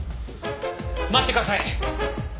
・待ってください！